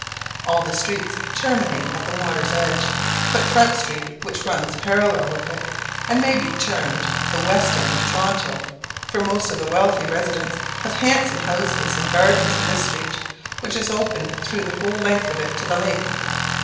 All the streets terminate at the water's edge, but Front street, which runs parallel with it, and may be termed the "west end" of Toronto; for most of the wealthy residents have handsome houses and gardens in this street, which is open through the whole length of it to the lake.